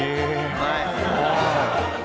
うまい！